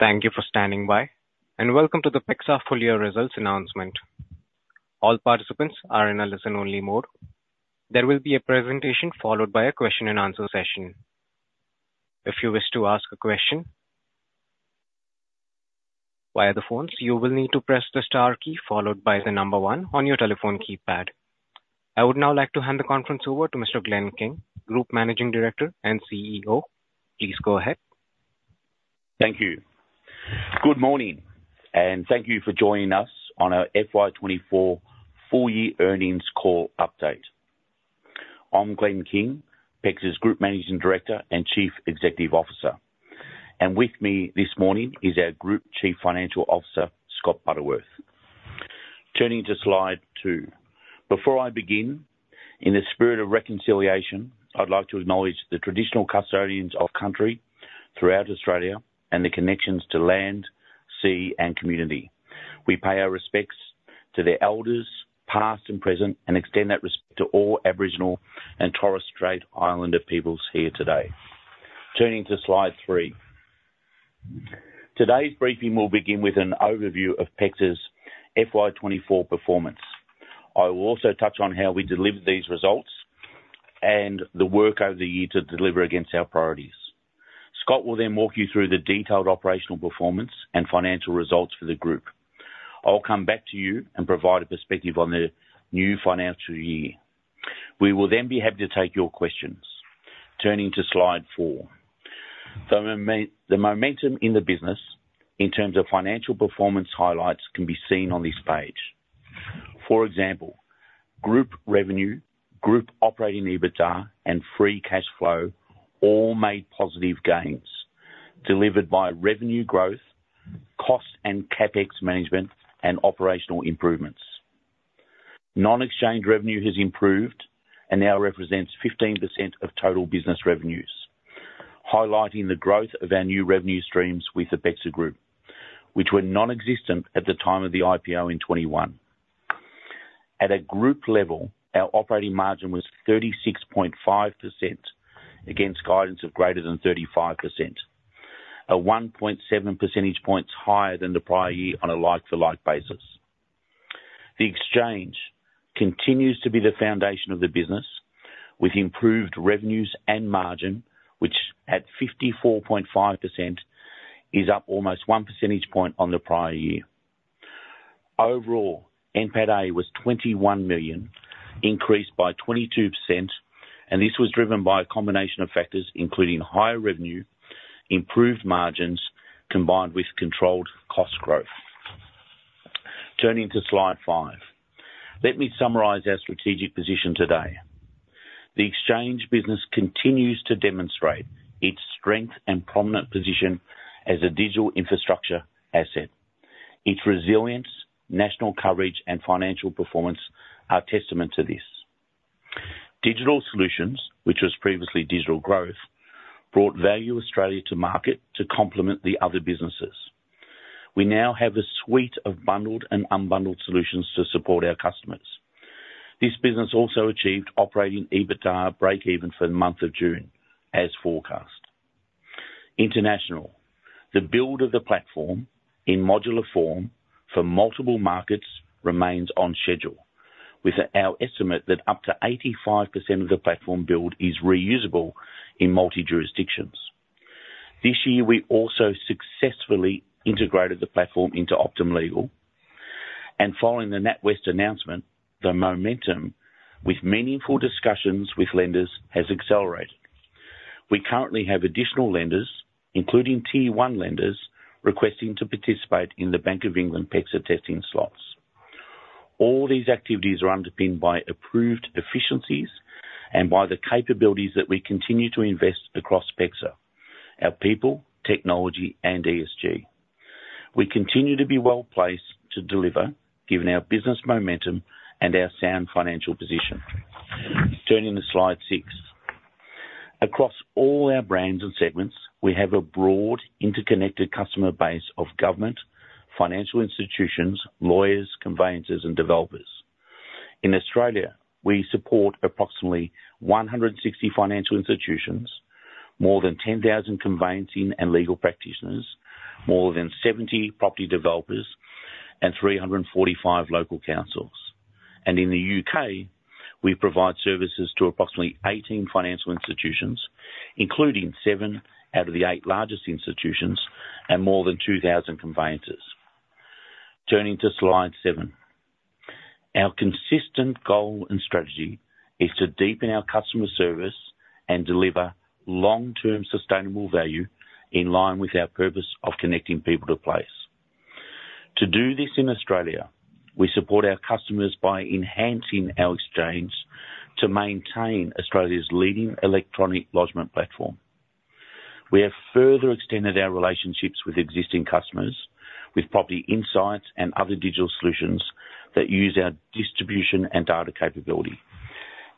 Thank you for standing by, and welcome to the PEXA full year results announcement. All participants are in a listen-only mode. There will be a presentation followed by a question and answer session. If you wish to ask a question via the phones, you will need to press the star key followed by the number one on your telephone keypad. I would now like to hand the conference over to Mr. Glenn King, Group Managing Director and CEO. Please go ahead. Thank you. Good morning, and thank you for joining us on our FY 2024 full year earnings call update. I'm Glenn King, PEXA's Group Managing Director and Chief Executive Officer, and with me this morning is our Group Chief Financial Officer, Scott Butterworth. Turning to slide two. Before I begin, in the spirit of reconciliation, I'd like to acknowledge the traditional custodians of country throughout Australia and their connections to land, sea, and community. We pay our respects to their elders, past and present, and extend that respect to all Aboriginal and Torres Strait Islander peoples here today. Turning to slide three. Today's briefing will begin with an overview of PEXA's FY 2024 performance. I will also touch on how we delivered these results and the work over the year to deliver against our priorities. Scott will then walk you through the detailed operational performance and financial results for the group. I'll come back to you and provide a perspective on the new financial year. We will then be happy to take your questions. Turning to slide four. The momentum in the business in terms of financial performance highlights can be seen on this page. For example, group revenue, group operating EBITDA, and free cash flow all made positive gains, delivered by revenue growth, cost and CapEx management, and operational improvements. Non-exchange revenue has improved and now represents 15% of total business revenues, highlighting the growth of our new revenue streams with the PEXA Group, which were non-existent at the time of the IPO in 2021. At a group level, our operating margin was 36.5% against guidance of greater than 35%, a 1.7 percentage points higher than the prior year on a like-for-like basis. The exchange continues to be the foundation of the business, with improved revenues and margin, which at 54.5%, is up almost 1 percentage point on the prior year. Overall, NPAT was 21 million, increased by 22%, and this was driven by a combination of factors, including higher revenue, improved margins, combined with controlled cost growth. Turning to slide five. Let me summarize our strategic position today. The exchange business continues to demonstrate its strength and prominent position as a digital infrastructure asset. Its resilience, national coverage, and financial performance are testament to this. Digital Solutions, which was previously Digital Growth, brought Value Australia to market to complement the other businesses. We now have a suite of bundled and unbundled solutions to support our customers. This business also achieved operating EBITDA break-even for the month of June, as forecast. International. The build of the platform in modular form for multiple markets remains on schedule, with our estimate that up to 85% of the platform build is reusable in multiple jurisdictions. This year, we also successfully integrated the platform into Optima Legal, and following the NatWest announcement, the momentum with meaningful discussions with lenders has accelerated. We currently have additional lenders, including Tier 1 lenders, requesting to participate in the Bank of England PEXA testing slots. All these activities are underpinned by approved efficiencies and by the capabilities that we continue to invest across PEXA: our people, technology, and ESG. We continue to be well-placed to deliver, given our business momentum and our sound financial position. Turning to slide six. Across all our brands and segments, we have a broad, interconnected customer base of government, financial institutions, lawyers, conveyancers, and developers. In Australia, we support approximately 160 financial institutions, more than 10,000 conveyancing and legal practitioners, more than 70 property developers, and 300 and 45 local councils. And in the U.K., we provide services to approximately 18 financial institutions, including seven out of the eight largest institutions and more than 2,000 conveyancers. Turning to slide seven. Our consistent goal and strategy is to deepen our customer service and deliver long-term sustainable value in line with our purpose of connecting people to place. To do this in Australia, we support our customers by enhancing our exchange to maintain Australia's leading electronic lodgement platform. We have further extended our relationships with existing customers with property insights and other digital solutions that use our distribution and data capability.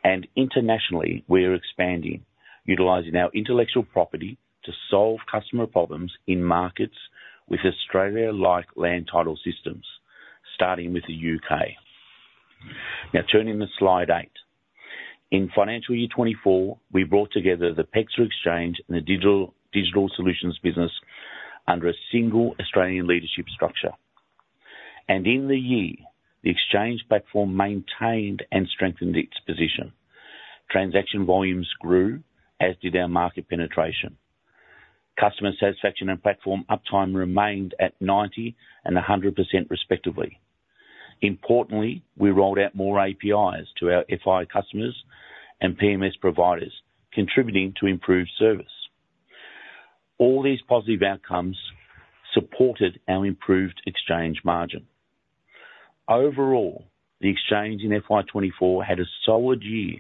And internationally, we are expanding, utilizing our intellectual property to solve customer problems in markets with Australia-like land title systems, starting with the U.K. Now turning to slide eight. In financial year 2024, we brought together the PEXA Exchange and the digital solutions business under a single Australian leadership structure. And in the year, the exchange platform maintained and strengthened its position. Transaction volumes grew, as did our market penetration. Customer satisfaction and platform uptime remained at 90% and 100% respectively. Importantly, we rolled out more APIs to our FI customers and PMS providers, contributing to improved service. All these positive outcomes supported our improved exchange margin. Overall, the exchange in FY 2024 had a solid year,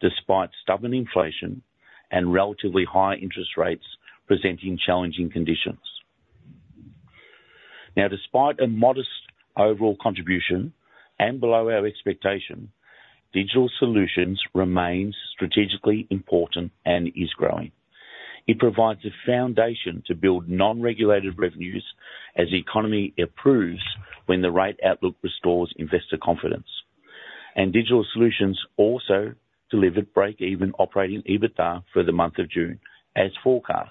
despite stubborn inflation and relatively high interest rates presenting challenging conditions. Now, despite a modest overall contribution and below our expectation, Digital Solutions remains strategically important and is growing. It provides a foundation to build non-regulated revenues as the economy improves, when the rate outlook restores investor confidence, and Digital Solutions also delivered break-even operating EBITDA for the month of June, as forecast,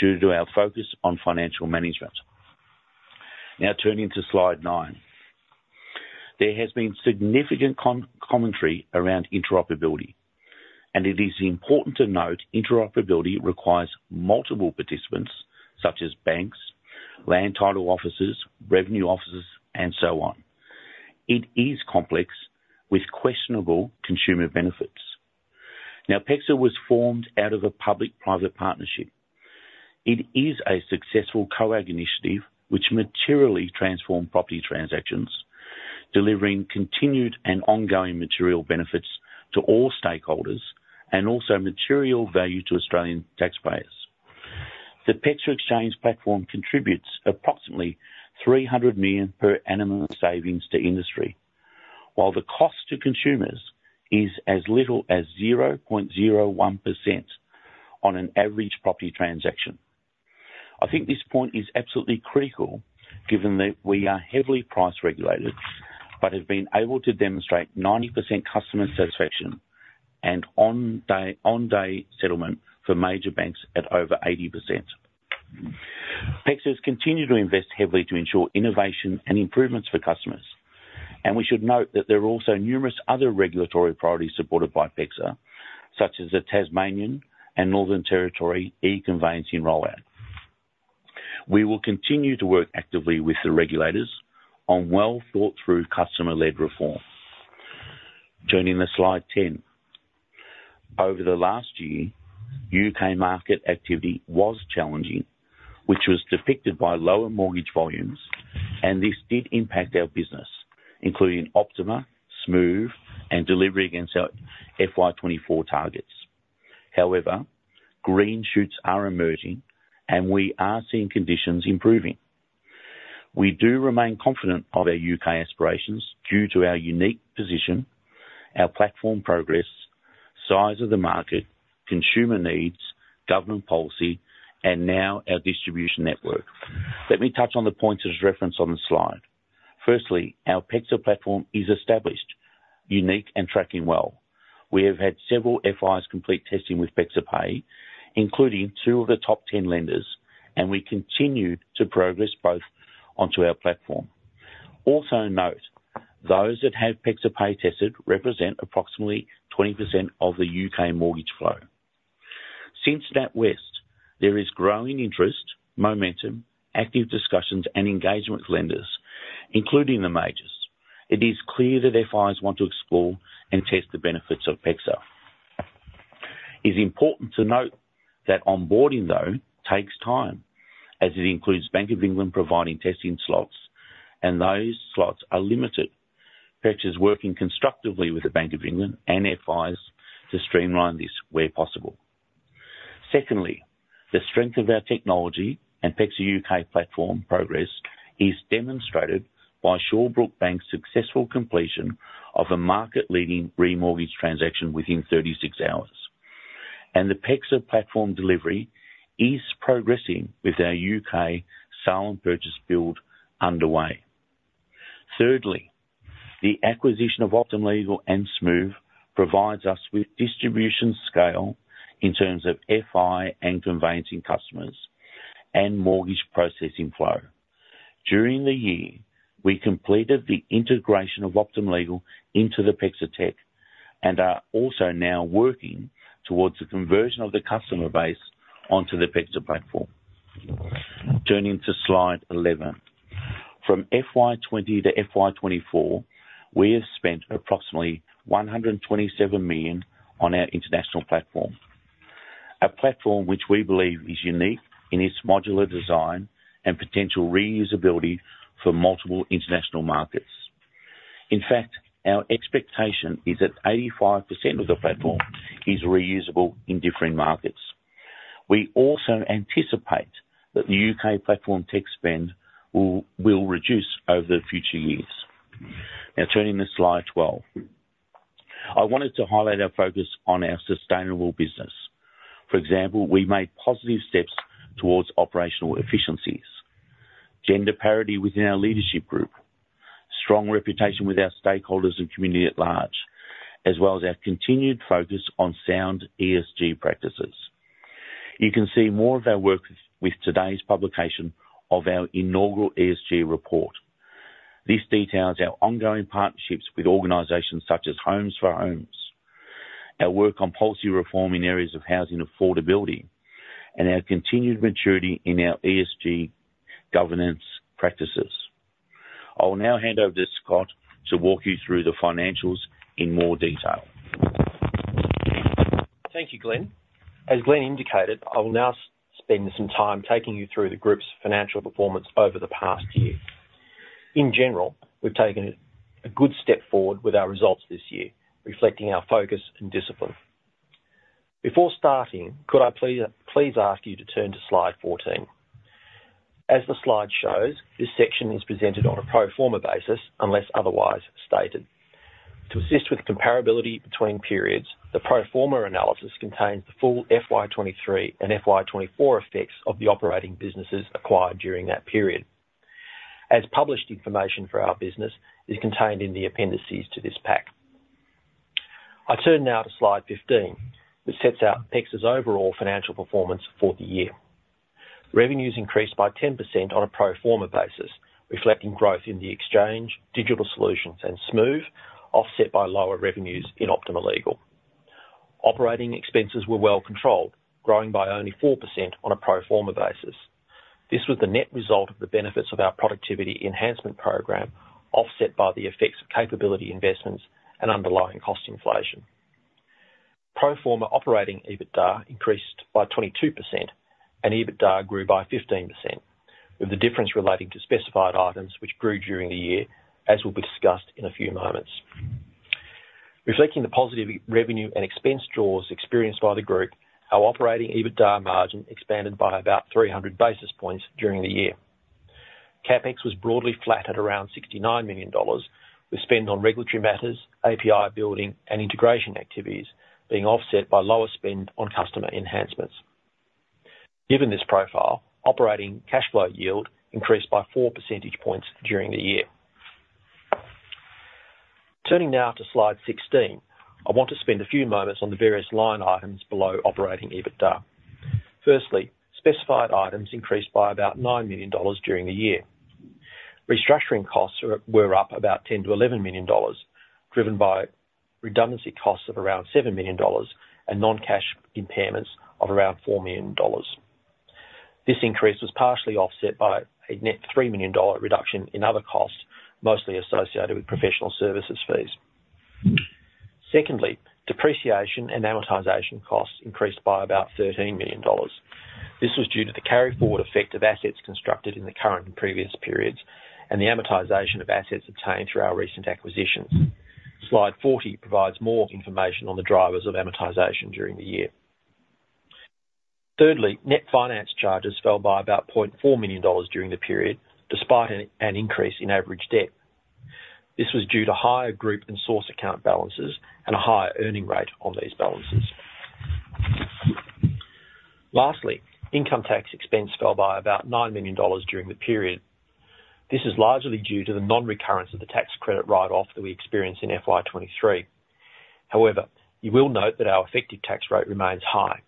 due to our focus on financial management. Now turning to slide nine. There has been significant commentary around interoperability, and it is important to note interoperability requires multiple participants, such as banks, land title offices, revenue offices, and so on. It is complex, with questionable consumer benefits. Now, PEXA was formed out of a public-private partnership. It is a successful COAG initiative which materially transformed property transactions, delivering continued and ongoing material benefits to all stakeholders, and also material value to Australian taxpayers. The PEXA Exchange platform contributes approximately 300 million per annum savings to industry, while the cost to consumers is as little as 0.01% on an average property transaction. I think this point is absolutely critical, given that we are heavily price regulated, but have been able to demonstrate 90% customer satisfaction and on day, on day settlement for major banks at over 80%. PEXA has continued to invest heavily to ensure innovation and improvements for customers, and we should note that there are also numerous other regulatory priorities supported by PEXA, such as the Tasmanian and Northern Territory e-conveyancing rollout. We will continue to work actively with the regulators on well-thought-through, customer-led reform. Turning to slide 10. Over the last year, U.K. market activity was challenging, which was depicted by lower mortgage volumes, and this did impact our business, including Optima, Smoove, and delivery against our FY 2024 targets. However, green shoots are emerging, and we are seeing conditions improving. We do remain confident of our U.K. aspirations due to our unique position, our platform progress, size of the market, consumer needs, government policy, and now our distribution network. Let me touch on the points as referenced on the slide. Firstly, our PEXA platform is established, unique, and tracking well. We have had several FIs complete testing with PEXA Pay, including two of the top 10 lenders, and we continued to progress both onto our platform. Also note, those that have PEXA Pay tested represent approximately 20% of the U.K. mortgage flow. Since NatWest, there is growing interest, momentum, active discussions, and engagement with lenders, including the majors. It is clear that FIs want to explore and test the benefits of PEXA. It's important to note that onboarding, though, takes time, as it includes Bank of England providing testing slots, and those slots are limited. PEXA is working constructively with the Bank of England and FIs to streamline this where possible. Secondly, the strength of our technology and PEXA U.K. platform progress is demonstrated by Shawbrook Bank's successful completion of a market-leading remortgage transaction within 36 hours, and the PEXA platform delivery is progressing with our U.K. sale and purchase build underway. Thirdly, the acquisition of Optima Legal and Smoove provides us with distribution scale in terms of FI and conveyancing customers and mortgage processing flow. During the year, we completed the integration of Optima Legal into the PEXA Tech and are also now working towards the conversion of the customer base onto the PEXA platform. Turning to slide 11. From FY 2020 to FY 2024, we have spent approximately 127 million on our international platform. A platform which we believe is unique in its modular design and potential reusability for multiple international markets. In fact, our expectation is that 85% of the platform is reusable in different markets. We also anticipate that the U.K. platform tech spend will reduce over the future years. Now, turning to slide 12. I wanted to highlight our focus on our sustainable business. For example, we made positive steps towards operational efficiencies.... Gender parity within our leadership group, strong reputation with our stakeholders and community at large, as well as our continued focus on sound ESG practices. You can see more of our work with today's publication of our inaugural ESG report. This details our ongoing partnerships with organizations such as Homes for Homes, our work on policy reform in areas of housing affordability, and our continued maturity in our ESG governance practices. I will now hand over to Scott to walk you through the financials in more detail. Thank you, Glenn. As Glenn indicated, I will now spend some time taking you through the group's financial performance over the past year. In general, we've taken a good step forward with our results this year, reflecting our focus and discipline. Before starting, could I please ask you to turn to slide 14? As the slide shows, this section is presented on a pro forma basis unless otherwise stated. To assist with comparability between periods, the pro forma analysis contains the full FY 2023 and FY 2024 effects of the operating businesses acquired during that period. As published information for our business is contained in the appendices to this pack. I turn now to slide 15, which sets out PEXA's overall financial performance for the year. Revenues increased by 10% on a pro forma basis, reflecting growth in the exchange, Digital Solutions and Smoove, offset by lower revenues in Optima Legal. Operating expenses were well controlled, growing by only 4% on a pro forma basis. This was the net result of the benefits of our productivity enhancement program, offset by the effects of capability investments and underlying cost inflation. Pro forma operating EBITDA increased by 22%, and EBITDA grew by 15%, with the difference relating to specified items which grew during the year, as will be discussed in a few moments. Reflecting the positive revenue and expense draws experienced by the group, our operating EBITDA margin expanded by about 300 basis points during the year. CapEx was broadly flat at around 69 million dollars, with spend on regulatory matters, API building and integration activities being offset by lower spend on customer enhancements. Given this profile, operating cash flow yield increased by 4 percentage points during the year. Turning now to slide 16, I want to spend a few moments on the various line items below operating EBITDA. Firstly, specified items increased by about 9 million dollars during the year. Restructuring costs were up about 10 million to 11 million dollars, driven by redundancy costs of around 7 million dollars and non-cash impairments of around 4 million dollars. This increase was partially offset by a net 3 million dollar reduction in other costs, mostly associated with professional services fees. Secondly, depreciation and amortization costs increased by about AUD 13 million. This was due to the carry forward effect of assets constructed in the current and previous periods and the amortization of assets obtained through our recent acquisitions. Slide 40 provides more information on the drivers of amortization during the year. Thirdly, net finance charges fell by about AUD 0.4 million during the period, despite an increase in average debt. This was due to higher group and source account balances and a higher earning rate on these balances. Lastly, income tax expense fell by about 9 million dollars during the period. This is largely due to the non-recurrence of the tax credit write-off that we experienced in FY 2023. However, you will note that our effective tax rate remains high.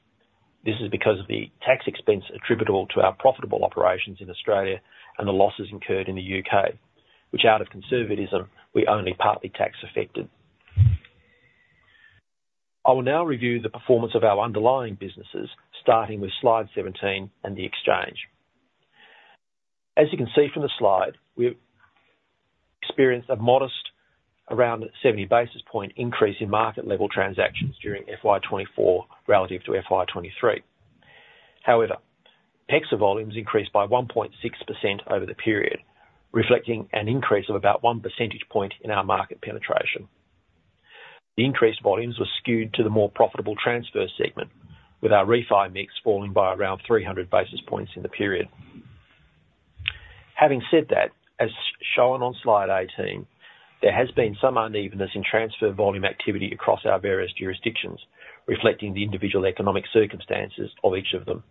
This is because of the tax expense attributable to our profitable operations in Australia and the losses incurred in the U.K., which out of conservatism, we only partly tax affected. I will now review the performance of our underlying businesses, starting with slide 17 and the exchange. As you can see from the slide, we've experienced a modest around 70 basis points increase in market level transactions during FY 2024 relative to FY 2023. However, PEXA volumes increased by 1.6% over the period, reflecting an increase of about one percentage point in our market penetration. The increased volumes were skewed to the more profitable transfer segment, with our refi mix falling by around 300 basis points in the period. Having said that, as shown on slide 18, there has been some unevenness in transfer volume activity across our various jurisdictions, reflecting the individual economic circumstances of each of them.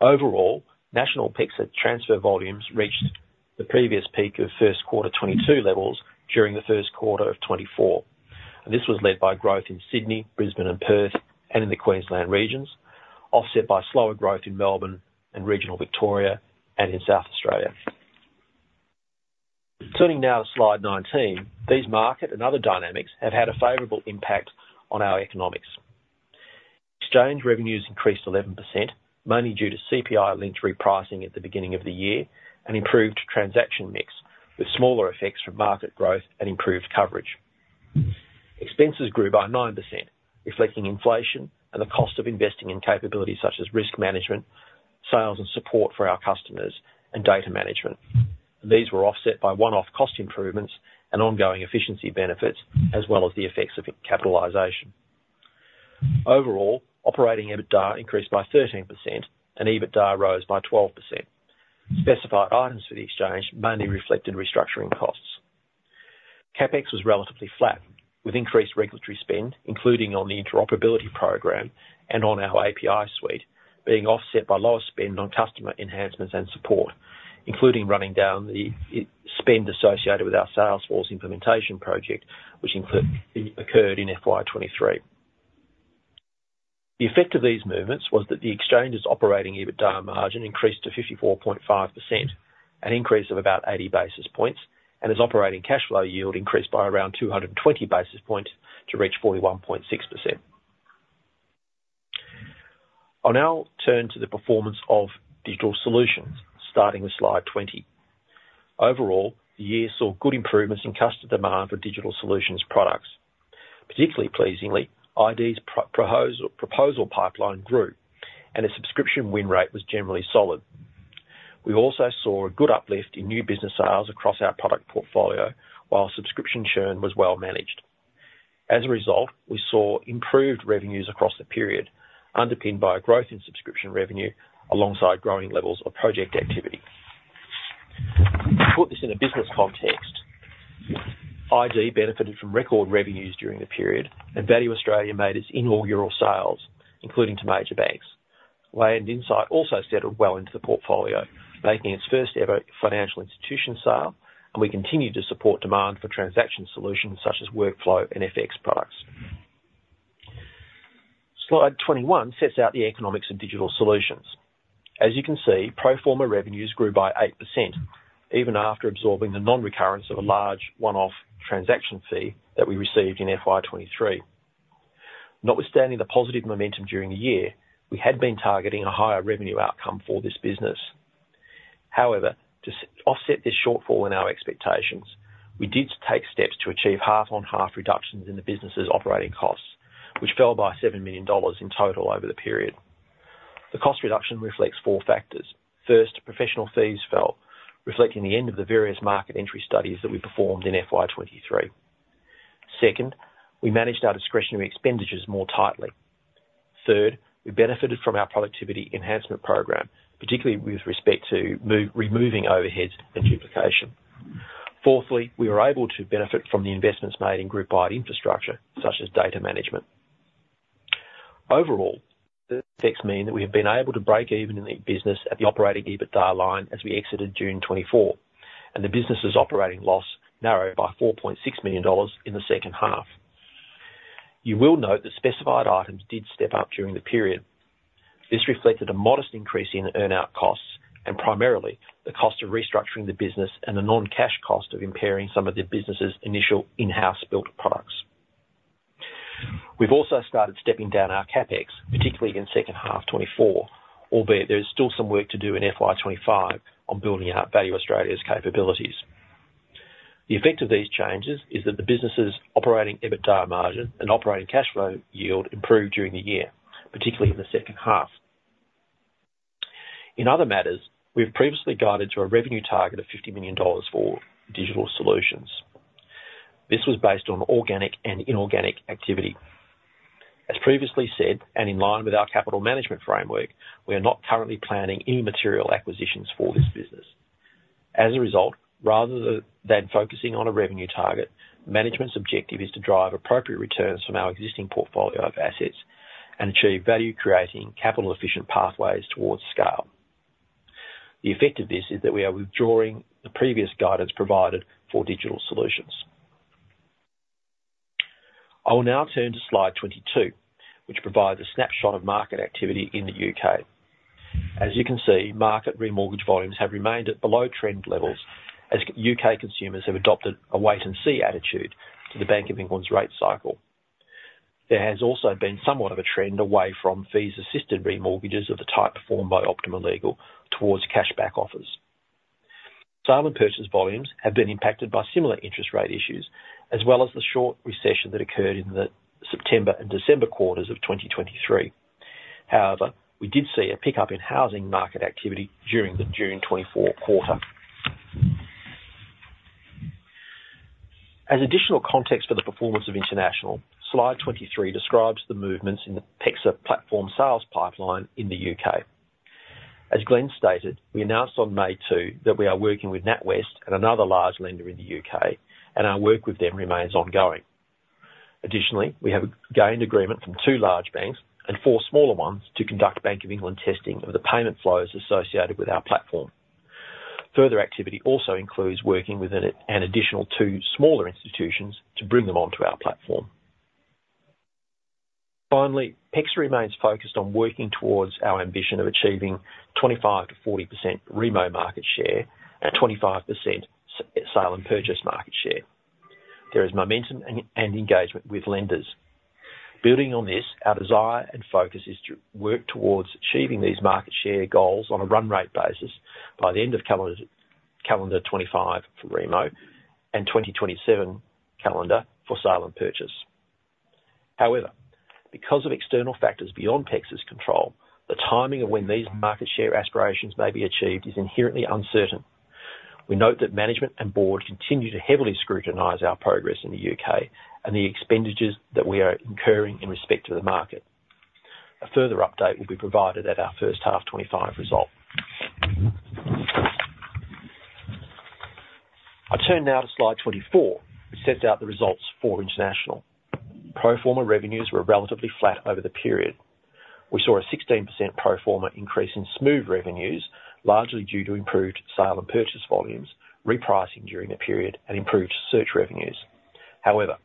Overall, national PEXA transfer volumes reached the previous peak of first quarter 2022 levels during the first quarter of 2024, and this was led by growth in Sydney, Brisbane and Perth and in the Queensland regions, offset by slower growth in Melbourne and regional Victoria and in South Australia. Turning now to slide nineteen, these market and other dynamics have had a favorable impact on our economics. Exchange revenues increased 11%, mainly due to CPI-linked repricing at the beginning of the year and improved transaction mix, with smaller effects from market growth and improved coverage. Expenses grew by 9%, reflecting inflation and the cost of investing in capabilities such as risk management, sales and support for our customers, and data management. These were offset by one-off cost improvements and ongoing efficiency benefits, as well as the effects of capitalization. Overall, operating EBITDA increased by 13% and EBITDA rose by 12%. Specified items for the exchange mainly reflected restructuring costs. CapEx was relatively flat, with increased regulatory spend, including on the interoperability program and on our API suite, being offset by lower spend on customer enhancements and support, including running down the spend associated with our salesforce implementation project, which occurred in FY 2023. The effect of these movements was that the exchange's operating EBITDA margin increased to 54.5%, an increase of about 80 basis points, and its operating cash flow yield increased by around 220 basis points to reach 41.6%. I'll now turn to the performance of Digital Solutions, starting with slide 20. Overall, the year saw good improvements in customer demand for Digital Solutions products. Particularly pleasingly, our product proposal pipeline grew, and its subscription win rate was generally solid. We also saw a good uplift in new business sales across our product portfolio, while subscription churn was well managed. As a result, we saw improved revenues across the period, underpinned by a growth in subscription revenue alongside growing levels of project activity. To put this in a business context, it benefited from record revenues during the period, and Value Australia made its inaugural sales, including to major banks. Lendings are also settled well into the portfolio, making its first-ever financial institution sale, and we continued to support demand for transaction solutions such as workflow and FX products. Slide 21 sets out the economics of Digital Solutions. As you can see, pro forma revenues grew by 8%, even after absorbing the non-recurrence of a large one-off transaction fee that we received in FY 2023. Notwithstanding the positive momentum during the year, we had been targeting a higher revenue outcome for this business. However, to offset this shortfall in our expectations, we did take steps to achieve half-on-half reductions in the business's operating costs, which fell by 7 million dollars in total over the period. The cost reduction reflects four factors: First, professional fees fell, reflecting the end of the various market entry studies that we performed in FY 2023. Second, we managed our discretionary expenditures more tightly. Third, we benefited from our productivity enhancement program, particularly with respect to removing overheads and duplication. Fourthly, we were able to benefit from the investments made in group-wide infrastructure, such as data management. Overall, this means that we have been able to break even in the business at the operating EBITDA line as we exited June 2024, and the business's operating loss narrowed by 4.6 million dollars in the second half. You will note that specified items did step up during the period. This reflected a modest increase in earn-out costs and primarily the cost of restructuring the business and the non-cash cost of impairing some of the business's initial in-house built products. We've also started stepping down our CapEx, particularly in second half 2024, albeit there is still some work to do in FY 2025 on building out Value Australia's capabilities. The effect of these changes is that the business' operating EBITDA margin and operating cash flow yield improved during the year, particularly in the second half. In other matters, we've previously guided to a revenue target of 50 million dollars for digital solutions. This was based on organic and inorganic activity. As previously said, and in line with our capital management framework, we are not currently planning any material acquisitions for this business. As a result, rather than focusing on a revenue target, management's objective is to drive appropriate returns from our existing portfolio of assets and achieve value-creating, capital-efficient pathways towards scale. The effect of this is that we are withdrawing the previous guidance provided for digital solutions. I will now turn to slide 22, which provides a snapshot of market activity in the U.K. As you can see, market remortgage volumes have remained at below trend levels as U.K. consumers have adopted a wait and see attitude to the Bank of England's rate cycle. There has also been somewhat of a trend away from fees assisted remortgages of the type performed by Optima Legal towards cashback offers. Sale and purchase volumes have been impacted by similar interest rate issues, as well as the short recession that occurred in the September and December quarters of 2023. However, we did see a pickup in housing market activity during the June 2024 quarter. As additional context for the performance of international, slide 23 describes the movements in the PEXA platform sales pipeline in the U.K. As Glenn stated, we announced on May 2 that we are working with NatWest and another large lender in the U.K., and our work with them remains ongoing. Additionally, we have gained agreement from two large banks and four smaller ones to conduct Bank of England testing of the payment flows associated with our platform. Further activity also includes working with an additional two smaller institutions to bring them onto our platform. Finally, PEXA remains focused on working towards our ambition of achieving 25% to 40% Remo market share and 25% sale and purchase market share. There is momentum and engagement with lenders. Building on this, our desire and focus is to work towards achieving these market share goals on a run rate basis by the end of calendar 2025 for Remo and 2027 calendar for sale and purchase. However, because of external factors beyond PEXA's control, the timing of when these market share aspirations may be achieved is inherently uncertain. We note that management and board continue to heavily scrutinize our progress in the U.K. and the expenditures that we are incurring in respect to the market. A further update will be provided at our first half 2025 result. I turn now to slide 24, which sets out the results for international. Pro forma revenues were relatively flat over the period. We saw a 16% pro forma increase in Smoove revenues, largely due to improved sale and purchase volumes, repricing during the period, and improved search revenues. However,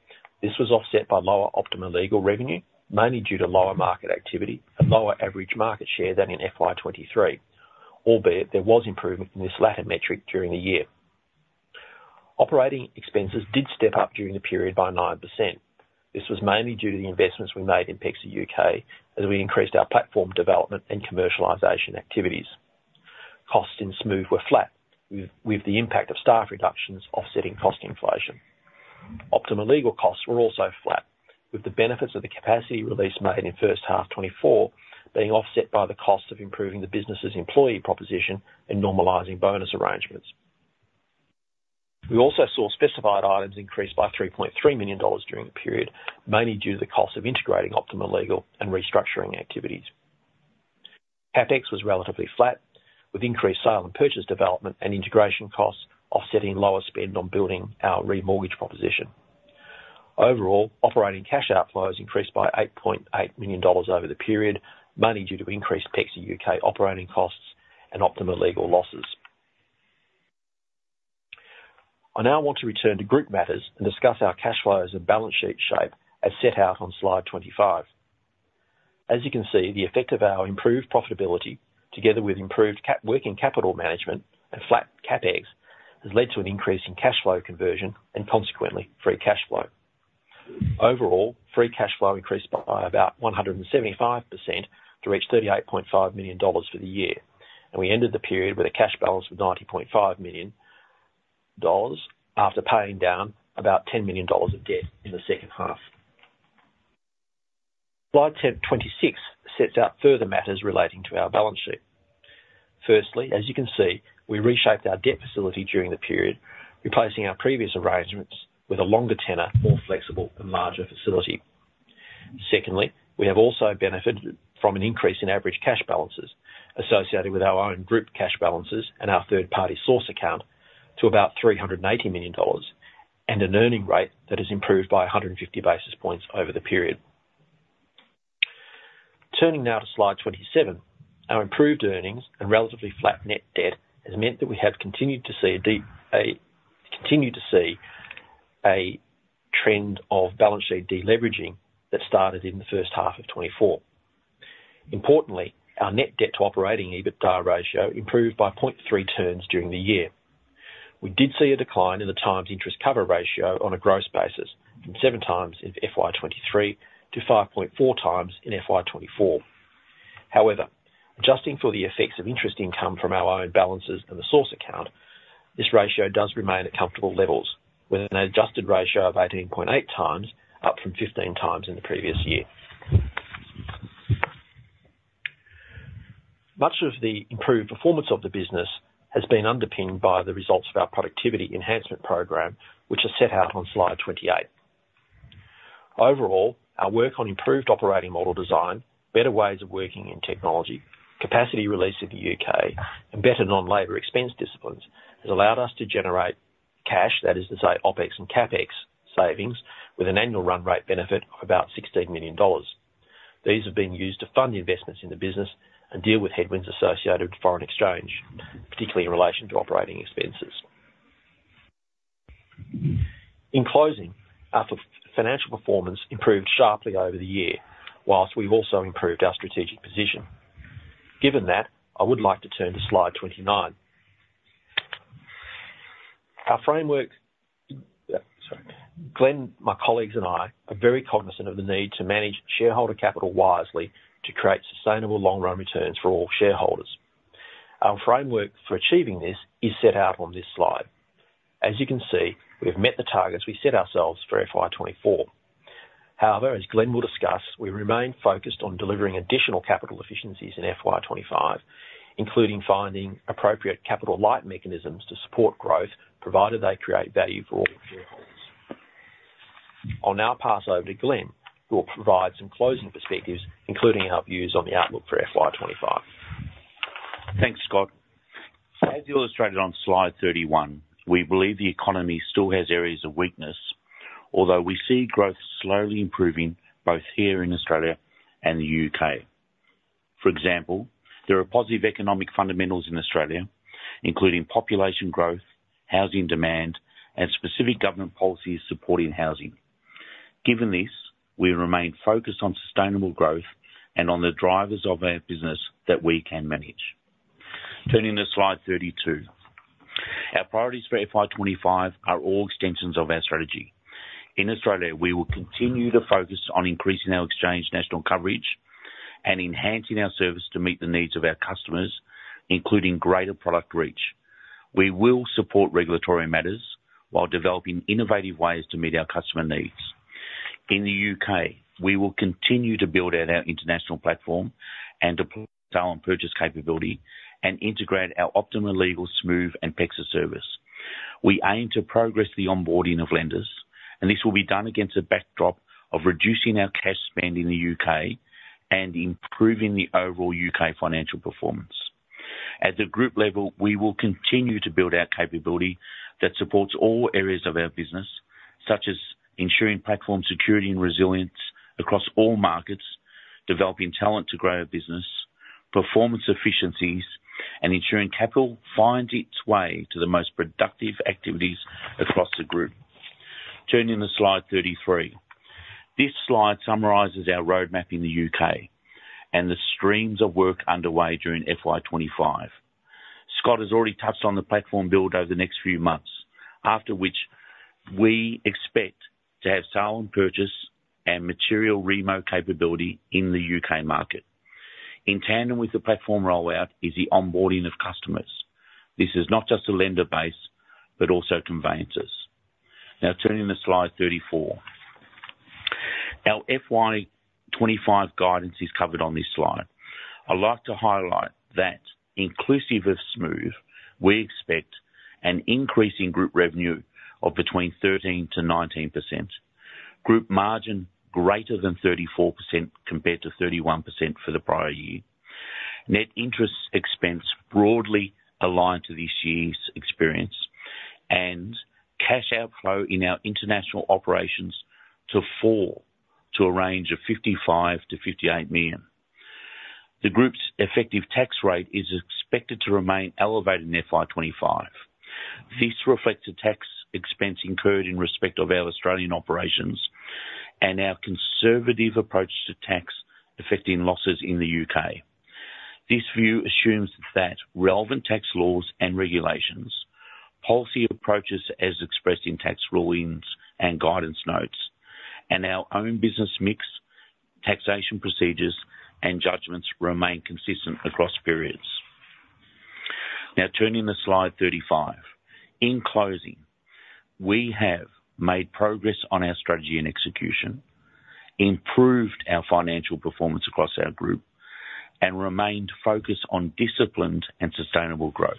this was offset by lower Optima Legal revenue, mainly due to lower market activity and lower average market share than in FY 2023. Albeit, there was improvement in this latter metric during the year. Operating expenses did step up during the period by 9%. This was mainly due to the investments we made in PEXA U.K., as we increased our platform development and commercialization activities. Costs in Smoove were flat, with the impact of staff reductions offsetting cost inflation. Optima Legal costs were also flat, with the benefits of the capacity release made in first half 2024 being offset by the cost of improving the business' employee proposition and normalizing bonus arrangements. We also saw specified items increased by 3.3 million dollars during the period, mainly due to the cost of integrating Optima Legal and restructuring activities. CapEx was relatively flat, with increased sale and purchase development and integration costs offsetting lower spend on building our remortgage proposition. Overall, operating cash outflows increased by 8.8 million dollars over the period, mainly due to increased PEXA UK operating costs and Optima Legal losses. I now want to return to group matters and discuss our cash flows and balance sheet shape as set out on slide 25. As you can see, the effect of our improved profitability, together with improved working capital management and flat CapEx, has led to an increase in cash flow conversion and consequently, free cash flow. Overall, free cash flow increased by about 175% to reach 38.5 million dollars for the year, and we ended the period with a cash balance of 90.5 million dollars after paying down about 10 million dollars of debt in the second half. Slide 26 sets out further matters relating to our balance sheet. Firstly, as you can see, we reshaped our debt facility during the period, replacing our previous arrangements with a longer tenor, more flexible and larger facility. Secondly, we have also benefited from an increase in average cash balances associated with our own group cash balances and our third-party source account to about 380 million dollars, and an earning rate that has improved by 150 basis points over the period. Turning now to slide 27. Our improved earnings and relatively flat net debt has meant that we have continued to see a trend of balance sheet de-leveraging that started in the first half of 2024. Importantly, our net debt to operating EBITDA ratio improved by point three turns during the year. We did see a decline in the times interest cover ratio on a gross basis from 7 times in FY 2023 to 5.4 times in FY 2024. However, adjusting for the effects of interest income from our own balances and the source account, this ratio does remain at comfortable levels, with an adjusted ratio of 18.8x, up from 15 times in the previous year. Much of the improved performance of the business has been underpinned by the results of our productivity enhancement program, which are set out on slide 28. Overall, our work on improved operating model design, better ways of working in technology, capacity release in the UK, and better non-labor expense disciplines, has allowed us to generate cash, that is to say, OpEx and CapEx savings, with an annual run rate benefit of about 16 million dollars. These have been used to fund the investments in the business and deal with headwinds associated with foreign exchange, particularly in relation to operating expenses. In closing, our financial performance improved sharply over the year, whilst we've also improved our strategic position. Given that, I would like to turn to slide 29. Our framework. Glenn, my colleagues and I, are very cognizant of the need to manage shareholder capital wisely to create sustainable long-run returns for all shareholders. Our framework for achieving this is set out on this slide. As you can see, we have met the targets we set ourselves for FY 2024. However, as Glenn will discuss, we remain focused on delivering additional capital efficiencies in FY twenty-five, including finding appropriate capital-light mechanisms to support growth, provided they create value for all shareholders. I'll now pass over to Glenn, who will provide some closing perspectives, including our views on the outlook for FY 2025. Thanks, Scott. As illustrated on slide 31, we believe the economy still has areas of weakness, although we see growth slowly improving both here in Australia and the U.K. For example, there are positive economic fundamentals in Australia, including population growth, housing demand, and specific government policies supporting housing. Given this, we remain focused on sustainable growth and on the drivers of our business that we can manage. Turning to slide 32. Our priorities for FY2025 are all extensions of our strategy. In Australia, we will continue to focus on increasing our Exchange national coverage and enhancing our service to meet the needs of our customers, including greater product reach. We will support regulatory matters while developing innovative ways to meet our customer needs. In the UK, we will continue to build out our international platform and deploy our purchase capability and integrate our Optima Legal, Smoove, and PEXA service. We aim to progress the onboarding of lenders, and this will be done against a backdrop of reducing our cash spend in the U.K. and improving the overall UK financial performance. At the group level, we will continue to build our capability that supports all areas of our business, such as ensuring platform security and resilience across all markets, developing talent to grow our business, performance efficiencies, and ensuring capital finds its way to the most productive activities across the group. Turning to slide 33. This slide summarizes our roadmap in the U.K. and the streams of work underway during FY 2025. Scott has already touched on the platform build over the next few months, after which we expect to have sale and purchase and material remo capability in the U.K. market. In tandem with the platform rollout is the onboarding of customers. This is not just a lender base, but also conveyancers. Now, turning to slide 34. Our FY 2025 guidance is covered on this slide. I'd like to highlight that inclusive of Smoove, we expect an increase in group revenue of between 13% to 19%, group margin greater than 34% compared to 31% for the prior year. Net interest expense broadly aligned to this year's experience, and cash outflow in our international operations to fall to a range of 55 to 58 million. The group's effective tax rate is expected to remain elevated in FY 2025. This reflects the tax expense incurred in respect of our Australian operations and our conservative approach to tax affecting losses in the U.K. This view assumes that relevant tax laws and regulations, policy approaches as expressed in tax rulings and guidance notes, and our own business mix, taxation procedures and judgments remain consistent across periods. Now, turning to slide 35. In closing, we have made progress on our strategy and execution, improved our financial performance across our group, and remained focused on disciplined and sustainable growth.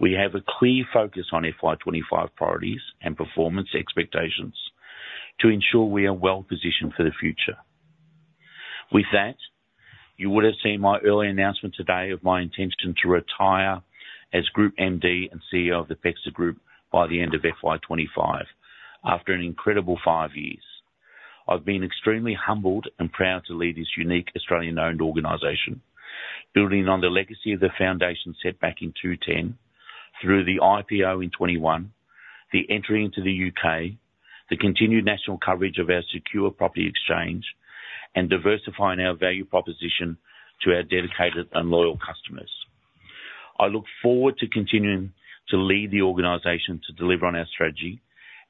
We have a clear focus on FY 2025 priorities and performance expectations to ensure we are well positioned for the future. With that, you would have seen my early announcement today of my intention to retire as Group MD and CEO of the PEXA Group by the end of FY 2025, after an incredible five years. I've been extremely humbled and proud to lead this unique Australian-owned organization, building on the legacy of the foundation set back in 2010 through the IPO in 2021, the entry into the U.K., the continued national coverage of our secure property exchange, and diversifying our value proposition to our dedicated and loyal customers. I look forward to continuing to lead the organization to deliver on our strategy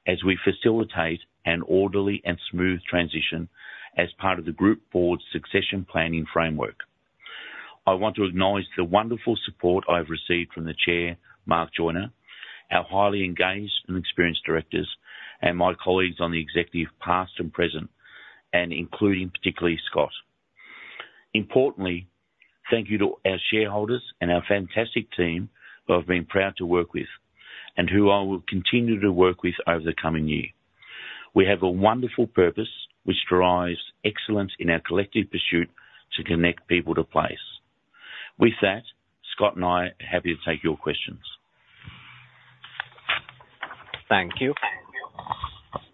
as we facilitate an orderly and smooth transition as part of the group board's succession planning framework. I want to acknowledge the wonderful support I've received from the chair, Mark Joiner, our highly engaged and experienced directors, and my colleagues on the executive, past and present, and including particularly Scott. Importantly, thank you to our shareholders and our fantastic team, who I've been proud to work with and who I will continue to work with over the coming year. We have a wonderful purpose, which drives excellence in our collective pursuit to connect people to place. With that, Scott and I are happy to take your questions. Thank you.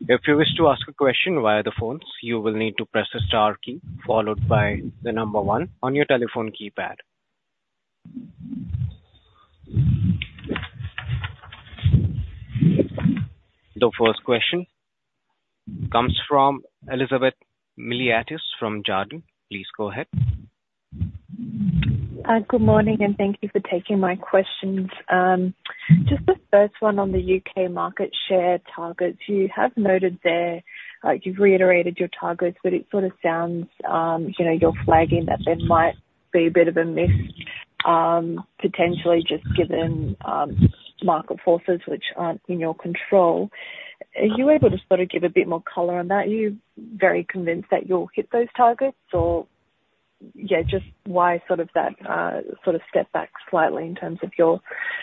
If you wish to ask a question via the phones, you will need to press the star key followed by the number one on your telephone keypad. The first question comes from Elizabeth Miliatis from Jarden. Please go ahead. Good morning, and thank you for taking my questions. Just the first one on the U.K. market share targets. You have noted there, you've reiterated your targets, but it sort of sounds, you know, you're flagging that there might be a bit of a miss, potentially just given market forces which aren't in your control. Are you able to sort of give a bit more color on that? Are you very convinced that you'll hit those targets? Or, yeah, just why sort of that sort of step back slightly in terms of your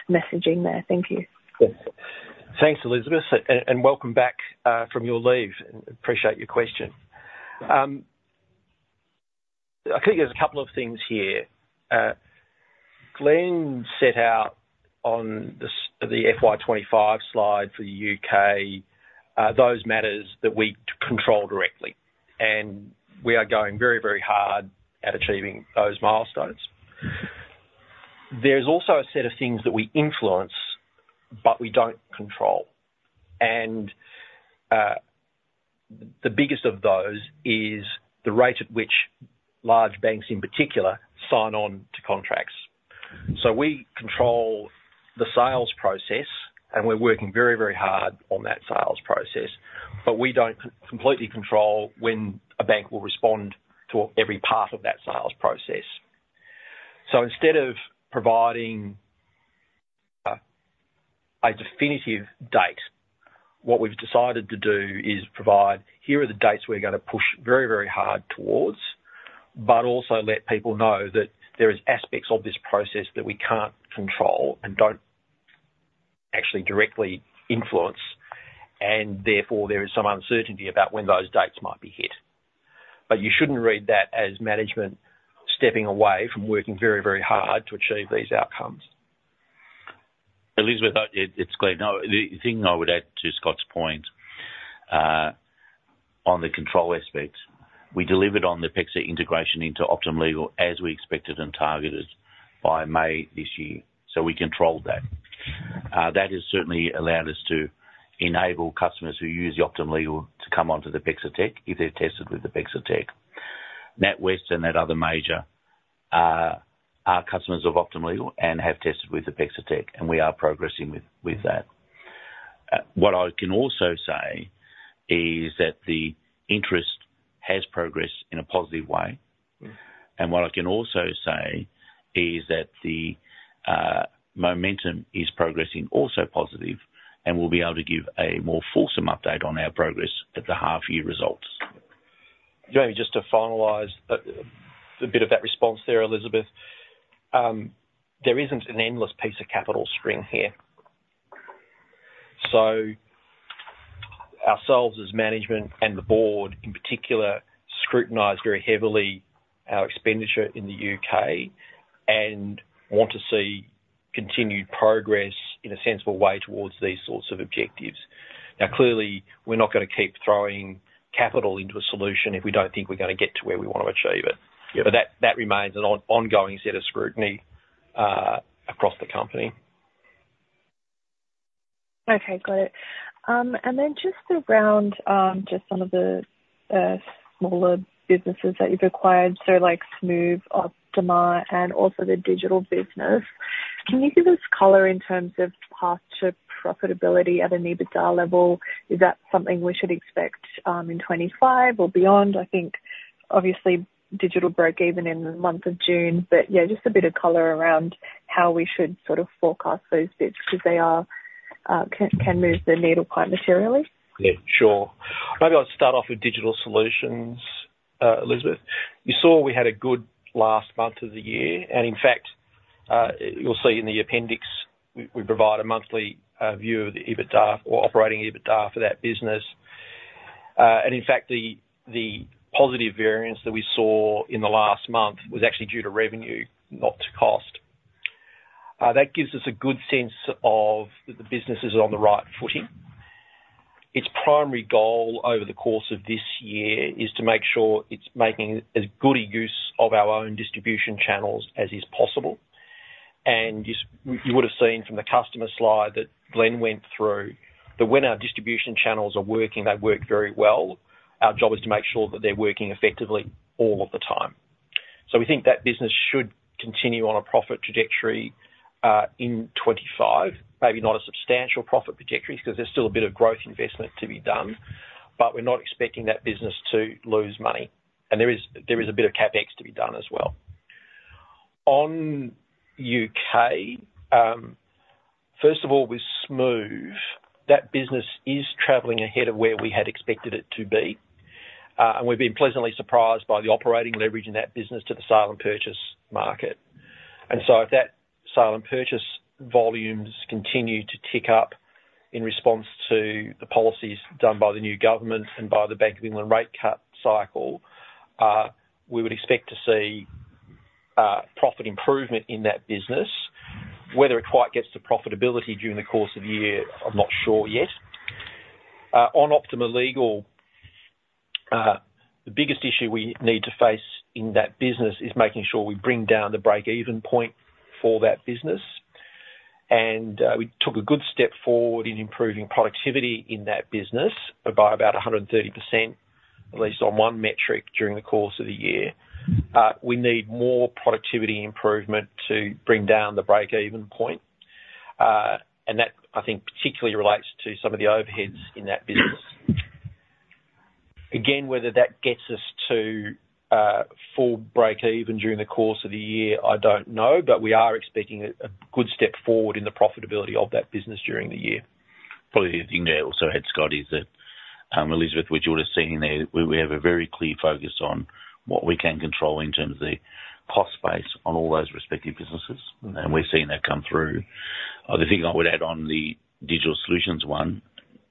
messaging there. Thank you. Thanks, Elizabeth, and welcome back from your leave. Appreciate your question. I think there's a couple of things here. Glenn set out on the FY 2025 slide for the U.K., those matters that we control directly, and we are going very, very hard at achieving those milestones. There's also a set of things that we influence, but we don't control, and the biggest of those is the rate at which large banks, in particular, sign on to contracts. So we control the sales process, and we're working very, very hard on that sales process, but we don't completely control when a bank will respond to every part of that sales process. So instead of providing a definitive date. What we've decided to do is provide, here are the dates we're gonna push very, very hard towards, but also let people know that there is aspects of this process that we can't control and don't actually directly influence, and therefore, there is some uncertainty about when those dates might be hit. But you shouldn't read that as management stepping away from working very, very hard to achieve these outcomes. Elizabeth, it's Glenn. Now, the thing I would add to Scott's point on the control aspect, we delivered on the PEXA integration into Optima Legal as we expected and targeted by May this year. So we controlled that. That has certainly allowed us to enable customers who use the Optima Legal to come onto the PEXA Tech if they've tested with the PEXA Tech. NatWest and that other major are customers of Optima Legal and have tested with the PEXA Tech, and we are progressing with that. What I can also say is that the interest has progressed in a positive way. And what I can also say is that the momentum is progressing also positive, and we'll be able to give a more fulsome update on our progress at the half-year results. Maybe just to finalize, a bit of that response there, Elizabeth. There isn't an endless piece of capital string here. So ourselves as management and the board in particular, scrutinize very heavily our expenditure in the U.K. and want to see continued progress in a sensible way towards these sorts of objectives. Now, clearly, we're not gonna keep throwing capital into a solution if we don't think we're gonna get to where we want to achieve it. Yep. But that remains an ongoing set of scrutiny across the company. Okay, got it. And then just around just some of the smaller businesses that you've acquired, so like Smoove, Optima, and also the digital business. Can you give us color in terms of path to profitability at an EBITDA level? Is that something we should expect in 2025 or beyond? I think obviously digital broke even in the month of June, but yeah, just a bit of color around how we should sort of forecast those bits, because they can move the needle quite materially. Yeah, sure. Maybe I'll start off with Digital Solutions, Elizabeth. You saw we had a good last month of the year, and in fact, you'll see in the appendix, we provide a monthly view of the EBITDA or operating EBITDA for that business. And in fact, the positive variance that we saw in the last month was actually due to revenue, not to cost. That gives us a good sense of that the business is on the right footing. Its primary goal over the course of this year is to make sure it's making as good a use of our own distribution channels as is possible. And you would have seen from the customer slide that Glenn went through, that when our distribution channels are working, they work very well. Our job is to make sure that they're working effectively all of the time, so we think that business should continue on a profit trajectory in 2025. Maybe not a substantial profit trajectory, 'cause there's still a bit of growth investment to be done, but we're not expecting that business to lose money, and there is a bit of CapEx to be done as well. On U.K., first of all, with Smoove, that business is traveling ahead of where we had expected it to be, and we've been pleasantly surprised by the operating leverage in that business to the sale and purchase market. And so if that sale and purchase volumes continue to tick up in response to the policies done by the new government and by the Bank of England rate cut cycle, we would expect to see profit improvement in that business. Whether it quite gets to profitability during the course of the year, I'm not sure yet. On Optima Legal, the biggest issue we need to face in that business is making sure we bring down the break-even point for that business. And we took a good step forward in improving productivity in that business by about 130%, at least on one metric, during the course of the year. We need more productivity improvement to bring down the break-even point. And that, I think, particularly relates to some of the overheads in that business. Again, whether that gets us to full break even during the course of the year, I don't know, but we are expecting a good step forward in the profitability of that business during the year. Probably the thing I'd also add, Scott, is that, Elizabeth, which you would have seen in there, we have a very clear focus on what we can control in terms of the cost base on all those respective businesses, and we're seeing that come through. The thing I would add on the digital solutions one,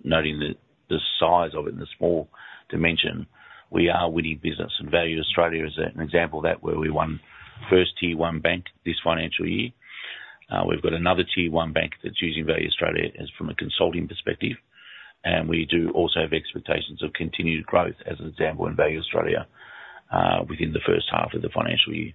noting that the size of it and the small dimension, we are winning business and Value Australia is an example of that, where we won first tier one bank this financial year. We've got another tier one bank that's using Value Australia as from a consulting perspective, and we do also have expectations of continued growth as an example in Value Australia, within the first half of the financial year.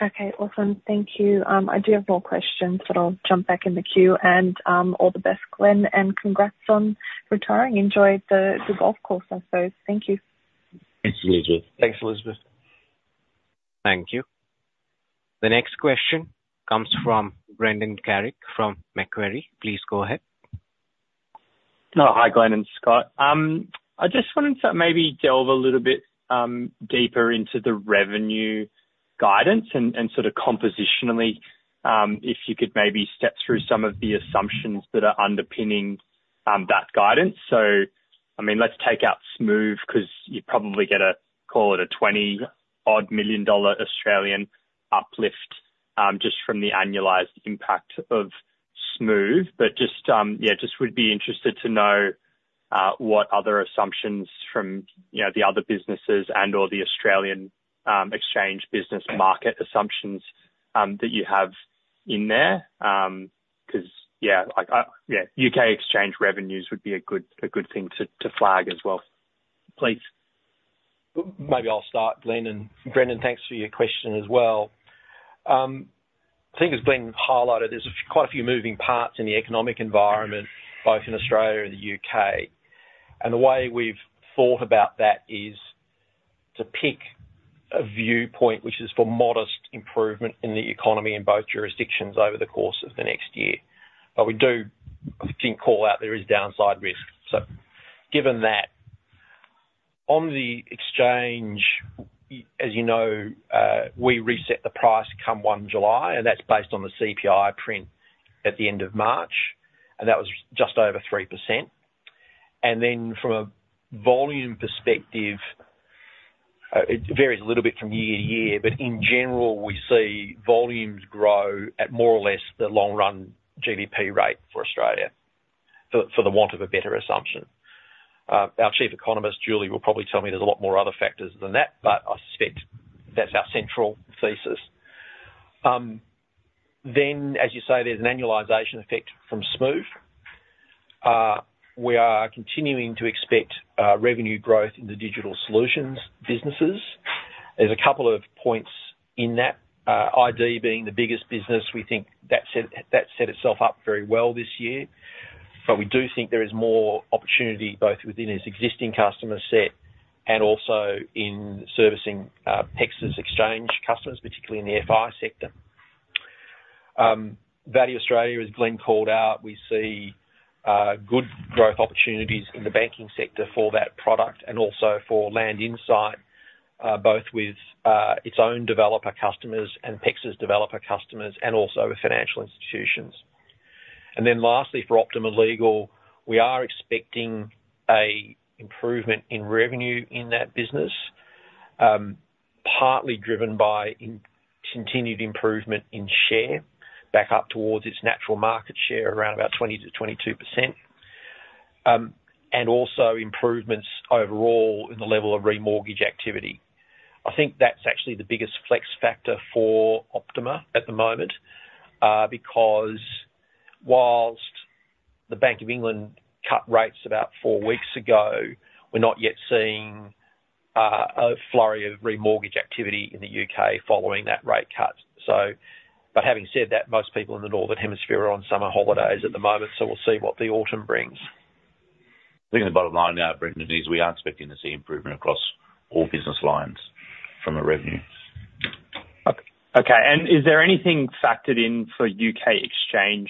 Okay, awesome. Thank you. I do have more questions, but I'll jump back in the queue and, all the best, Glenn, and congrats on retiring. Enjoy the golf course, I suppose. Thank you. Thanks, Elizabeth. Thanks, Elizabeth. Thank you. The next question comes from Brendan Carrig from Macquarie. Please go ahead. Oh, hi, Glenn and Scott. I just wanted to maybe delve a little bit, deeper into the revenue guidance and sort of compositionally, if you could maybe step through some of the assumptions that are underpinning that guidance. So, I mean, let's take out Smoove, 'cause you probably get a call it a 20-odd million dollar uplift, just from the annualized impact of Smoove. But just, yeah, just would be interested to know, what other assumptions from, you know, the other businesses and/or the Australian exchange business market assumptions, that you have in there. 'Cause yeah, like I, yeah, U.K. exchange revenues would be a good, a good thing to flag as well, please. Maybe I'll start, Glenn, and Brendan, thanks for your question as well. I think as Glenn highlighted, there's quite a few moving parts in the economic environment, both in Australia and the U.K. And the way we've thought about that is to pick a viewpoint which is for modest improvement in the economy in both jurisdictions over the course of the next year. But we do think call out there is downside risk. So given that, on the exchange, as you know, we reset the price come 1 July, and that's based on the CPI print at the end of March, and that was just over 3%. And then from a volume perspective, it varies a little bit from year to year, but in general, we see volumes grow at more or less the long run GDP rate for Australia for the want of a better assumption. Our Chief Economist, Julie, will probably tell me there's a lot more other factors than that, but I suspect that's our central thesis. Then, as you say, there's an annualization effect from Smoove. We are continuing to expect revenue growth in the digital solutions businesses. There's a couple of points in that, [ID] being the biggest business. We think that set itself up very well this year. But we do think there is more opportunity, both within its existing customer set and also in servicing PEXA's exchange customers, particularly in the FI sector. Value Australia, as Glenn called out, we see good growth opportunities in the banking sector for that product and also for Lending side, both with its own developer customers and PEXA's developer customers, and also the financial institutions. And then lastly, for Optima Legal, we are expecting a improvement in revenue in that business, partly driven by continued improvement in share, back up towards its natural market share around about 20% to 22%, and also improvements overall in the level of remortgage activity. I think that's actually the biggest flex factor for Optima at the moment, because while the Bank of England cut rates about four weeks ago, we're not yet seeing a flurry of remortgage activity in the U.K. following that rate cut. So, But having said that, most people in the Northern Hemisphere are on summer holidays at the moment, so we'll see what the autumn brings. I think the bottom line now, Brendan, is we are expecting to see improvement across all business lines from a revenue. Okay, and is there anything factored in for U.K. exchange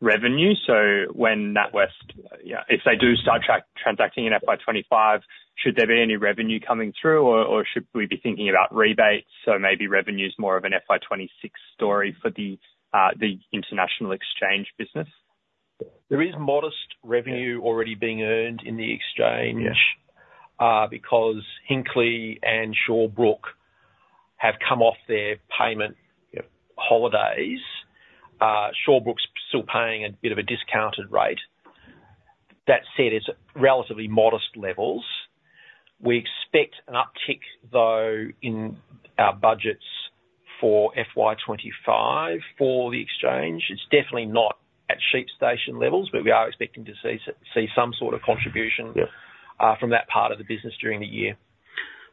revenue? So when NatWest, yeah, if they do start transacting in FY 2025, should there be any revenue coming through or, or should we be thinking about rebates, so maybe revenue is more of an FY 2026 story for the international exchange business? There is modest revenue already being earned in the exchange because Hinckley and Shawbrook have come off their payment holidays. Shawbrook's still paying a bit of a discounted rate. That said, it's relatively modest levels. We expect an uptick, though, in our budgets for FY 2025 for the exchange. It's definitely not at sheep station levels, but we are expecting to see see some sort of contribution from that part of the business during the year.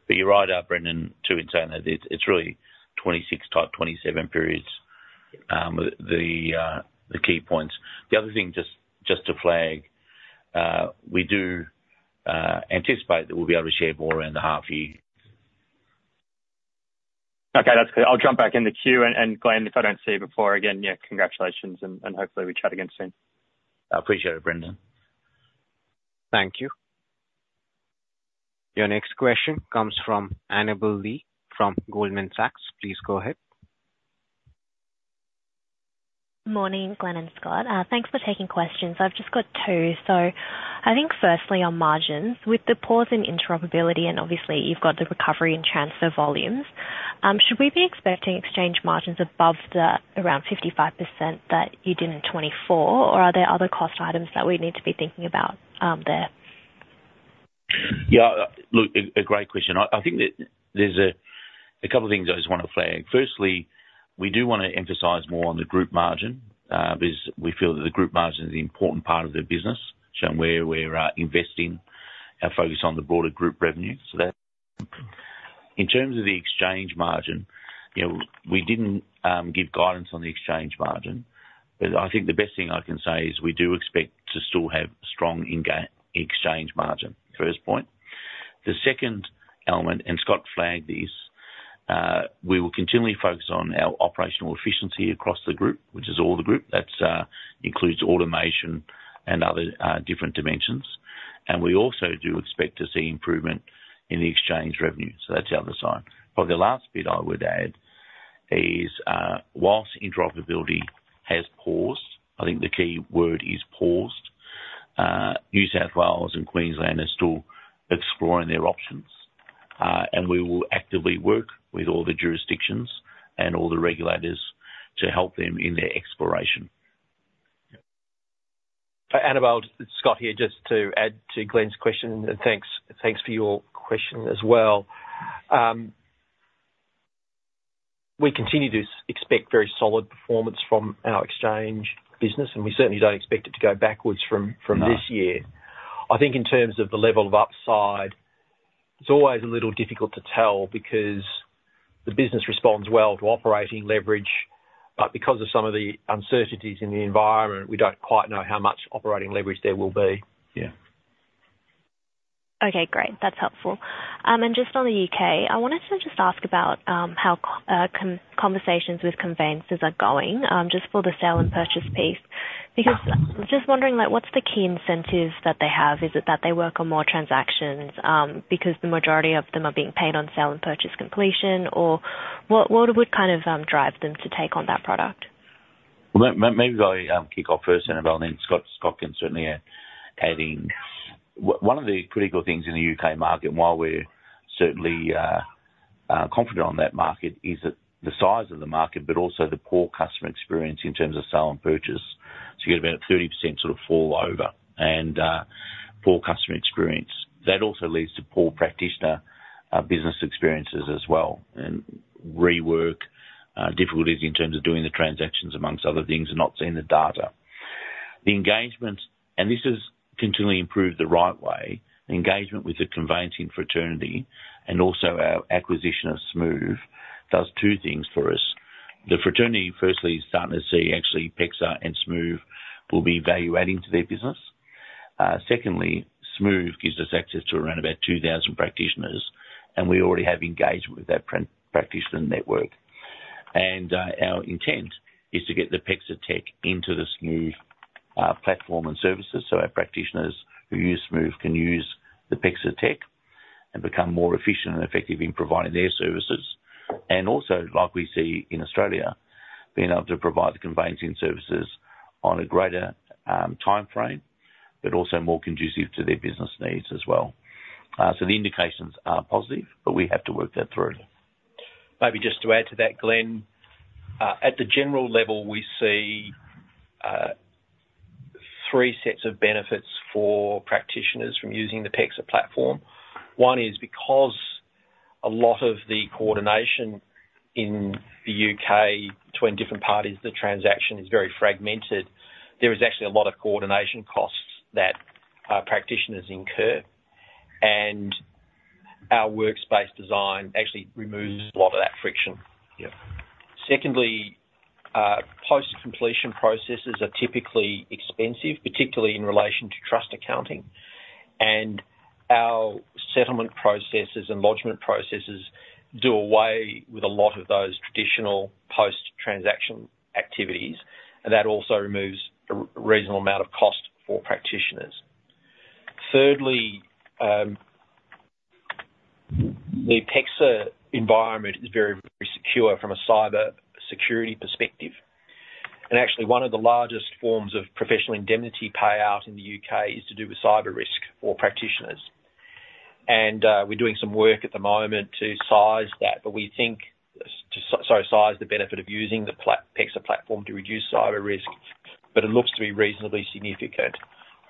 But you're right, Brendan, to insinuate. It's really 26 to 27 periods, the key points. The other thing, just to flag, we do anticipate that we'll be able to share more around the half year. Okay, that's clear. I'll jump back in the queue, and Glenn, if I don't see you before again, yeah, congratulations, and hopefully we chat again soon. I appreciate it, Brendan. Thank you. Your next question comes from Annabel Li from Goldman Sachs. Please go ahead. Morning, Glenn and Scott. Thanks for taking questions. I've just got two. So I think firstly on margins, with the pause in interoperability, and obviously you've got the recovery and transfer volumes, should we be expecting exchange margins above the around 55% that you did in 2024? Or are there other cost items that we need to be thinking about, there? Yeah, look, a great question. I think that there's a couple of things I just want to flag. Firstly, we do want to emphasize more on the group margin, because we feel that the group margin is an important part of the business, showing where we're investing our focus on the broader group revenue, so that. In terms of the exchange margin, you know, we didn't give guidance on the exchange margin, but I think the best thing I can say is we do expect to still have strong exchange margin, first point. The second element, and Scott flagged this. We will continually focus on our operational efficiency across the group, which is all the group. That includes automation and other different dimensions. We also do expect to see improvement in the exchange revenue, so that's the other side. But the last bit I would add is, while interoperability has paused, I think the key word is paused. New South Wales and Queensland are still exploring their options, and we will actively work with all the jurisdictions and all the regulators to help them in their exploration. Annabelle, it's Scott here, just to add to Glenn's question, and thanks, thanks for your question as well. We continue to expect very solid performance from our exchange business, and we certainly don't expect it to go backwards from this year. I think in terms of the level of upside, it's always a little difficult to tell because the business responds well to operating leverage. But because of some of the uncertainties in the environment, we don't quite know how much operating leverage there will be. Yeah. Okay, great. That's helpful. And just on the U.K., I wanted to just ask about how conversations with conveyancers are going, just for the sale and purchase piece. Because I'm just wondering, like, what's the key incentives that they have? Is it that they work on more transactions, because the majority of them are being paid on sale and purchase completion? Or what would kind of drive them to take on that product? Well, maybe I kick off first, Annabel, and then Scott can certainly add. One of the critical things in the U.K. market, while we're certainly confident on that market, is that the size of the market, but also the poor customer experience in terms of sale and purchase. So you get about a 30% sort of fall over and poor customer experience. That also leads to poor practitioner business experiences as well, and rework difficulties in terms of doing the transactions among other things, and not seeing the data. The engagement. And this has continually improved the right way, engagement with the conveyancing fraternity and also our acquisition of Smoove does two things for us. The fraternity, firstly, is starting to see actually PEXA and Smoove will be value adding to their business. Secondly, Smoove gives us access to around about two thousand practitioners, and we already have engagement with that practitioner network. And, our intent is to get the PEXA tech into the Smoove platform and services, so our practitioners who use Smoove can use the PEXA tech and become more efficient and effective in providing their services. And also, like we see in Australia, being able to provide the conveyancing services on a greater timeframe, but also more conducive to their business needs as well. So the indications are positive, but we have to work that through. Maybe just to add to that, Glenn. At the general level, we see three sets of benefits for practitioners from using the PEXA platform. One is because a lot of the coordination in the U.K. between different parties, the transaction is very fragmented. There is actually a lot of coordination costs that practitioners incur, and our Workspace design actually removes a lot of that friction. Yeah. Secondly, post-completion processes are typically expensive, particularly in relation to trust accounting. And our settlement processes and lodgment processes do away with a lot of those traditional post-transaction activities, and that also removes a reasonable amount of cost for practitioners. Thirdly, the PEXA environment is very, very secure from a cyber security perspective, and actually one of the largest forms of professional indemnity payout in the U.K. is to do with cyber risk for practitioners. And, we're doing some work at the moment to size that, but we think to size the benefit of using the PEXA platform to reduce cyber risk, but it looks to be reasonably significant.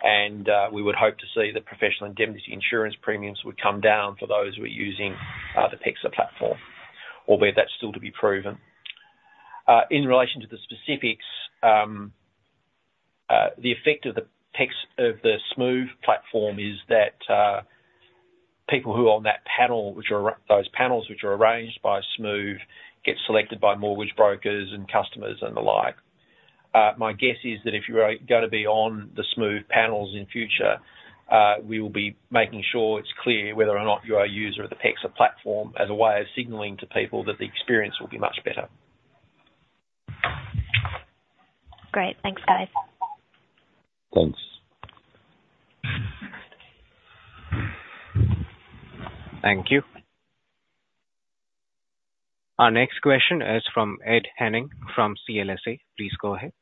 And, we would hope to see that professional indemnity insurance premiums would come down for those who are using the PEXA platform, although that's still to be proven. In relation to the specifics, the effect of the PEXA, of the Smoove platform is that, people who are on that panel, which are those panels, which are arranged by Smoove, get selected by mortgage brokers and customers and the like. My guess is that if you are gonna be on the Smoove panels in future, we will be making sure it's clear whether or not you're a user of the PEXA platform, as a way of signaling to people that the experience will be much better. Great. Thanks, guys. Thanks. Thank you. Our next question is from Ed Henning from CLSA. Please go ahead.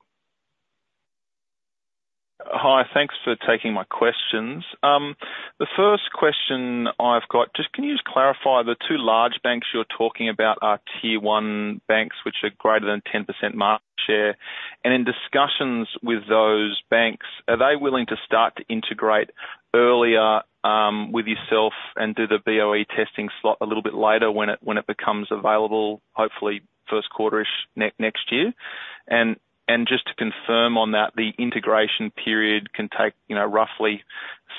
Hi, thanks for taking my questions. The first question I've got, just can you just clarify, the two large banks you're talking about are Tier 1 banks, which are greater than 10% market share. And in discussions with those banks, are they willing to start to integrate earlier, with yourself and do the BOE testing slot a little bit later when it becomes available, hopefully first quarter-ish next year? And just to confirm on that, the integration period can take, you know, roughly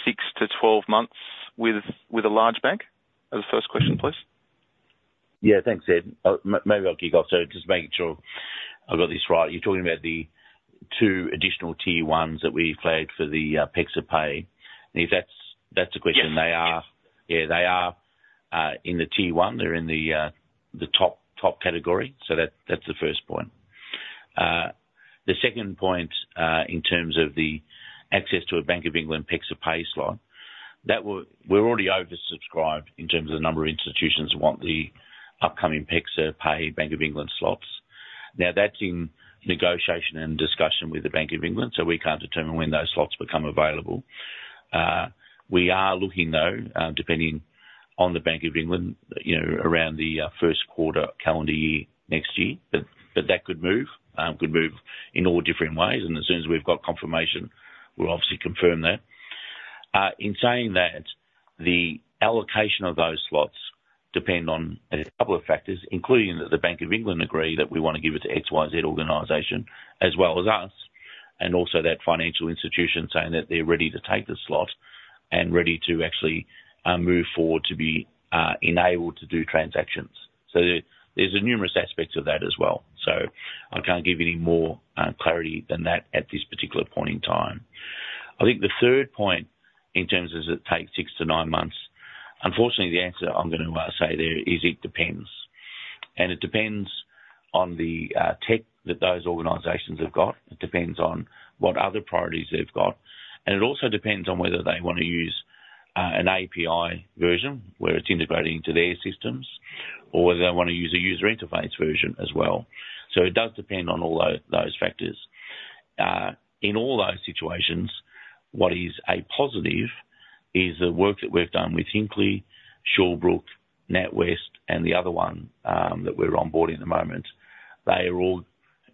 six to 12 months with a large bank? As a first question, please. Yeah, thanks, Ed. Maybe I'll kick off, so just making sure I've got this right. You're talking about the two additional T1s that we've flagged for the PEXA Pay? and if that's the question Yes. Yeah, they are in the T1. They're in the top category, so that's the first point. The second point, in terms of the access to a Bank of England PEXA Pay slot, that will. We're already oversubscribed in terms of the number of institutions who want the upcoming PEXA Pay Bank of England slots. Now, that's in negotiation and discussion with the Bank of England, so we can't determine when those slots become available. We are looking, though, depending on the Bank of England, you know, around the first quarter calendar year next year. But that could move in all different ways, and as soon as we've got confirmation, we'll obviously confirm that. In saying that, the allocation of those slots depend on a couple of factors, including that the Bank of England agree that we want to give it to XYZ organization as well as us, and also that financial institution saying that they're ready to take the slot and ready to actually move forward to be enabled to do transactions. So there's numerous aspects of that as well. So I can't give you any more clarity than that at this particular point in time. I think the third point, in terms of does it take six to nine months, unfortunately, the answer I'm gonna say there is it depends, and it depends on the tech that those organizations have got. It depends on what other priorities they've got. And it also depends on whether they want to use an API version, where it's integrated into their systems, or whether they want to use a user interface version as well. So it does depend on all those factors. In all those situations, what is a positive is the work that we've done with Hinckley, Shawbrook, NatWest, and the other one that we're onboarding at the moment. They've all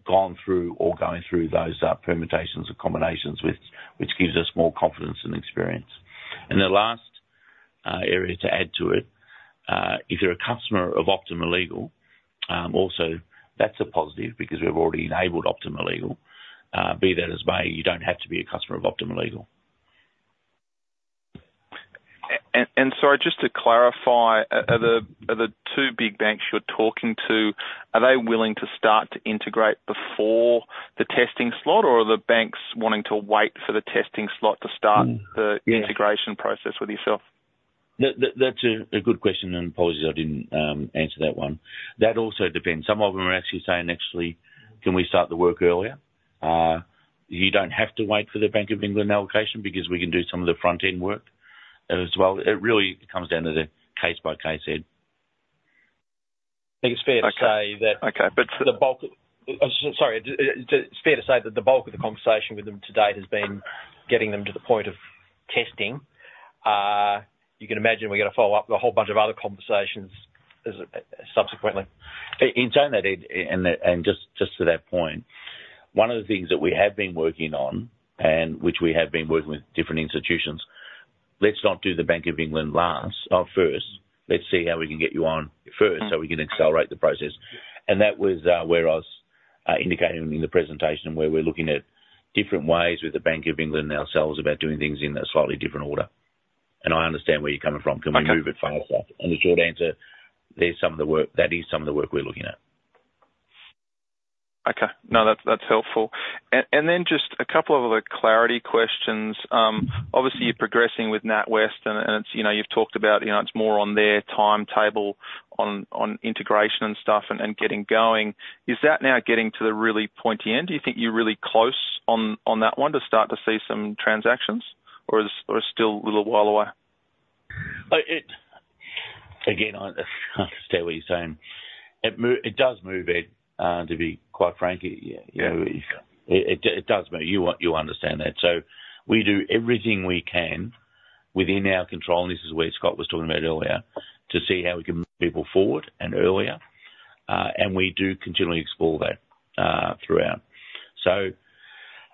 gone through or going through those permutations and combinations with which gives us more confidence and experience. And the last area to add to it, if you're a customer of Optima Legal, also that's a positive because we've already enabled Optima Legal. Be that as it may, you don't have to be a customer of Optima Legal. Sorry, just to clarify, are the two big banks you're talking to willing to start to integrate before the testing slot, or are the banks wanting to wait for the testing slot to start the integration process with yourself? That's a good question, and apologies I didn't answer that one. That also depends. Some of them are actually saying: "Actually, can we start the work earlier?" You don't have to wait for the Bank of England allocation because we can do some of the front-end work as well. It really comes down to the case-by-case, Ed. I think it's fair to say that Okay, but Oh, sorry. It's fair to say that the bulk of the conversation with them to date has been getting them to the point of testing. You can imagine we've got to follow up a whole bunch of other conversations as subsequently. In saying that, Ed, and just to that point, one of the things that we have been working on, and which we have been working with different institutions, let's not do the Bank of England last, first. Let's see how we can get you on first, so we can accelerate the process. And that was where I was indicating in the presentation where we're looking at different ways with the Bank of England ourselves about doing things in a slightly different order. And I understand where you're coming from Can we move it faster? And the short answer: there's some of the work, that is some of the work we're looking at. Okay. No, that's, that's helpful. And then just a couple of other clarity questions. Obviously, you're progressing with NatWest and it's, you know, you've talked about, you know, it's more on their timetable on integration and stuff and getting going. Is that now getting to the really pointy end? Do you think you're really close on that one, to start to see some transactions, or is still a little while away? Again, I understand what you're saying. It does move, Ed, to be quite frank. You know, it does move. You understand that. So we do everything we can within our control, and this is where Scott was talking about earlier, to see how we can move people forward and earlier, and we do continually explore that throughout. So,